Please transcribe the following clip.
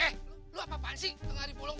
eh lu apaan sih tengah di bolong